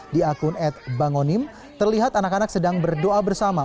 di akun ad bangonim terlihat anak anak sedang berdoa bersama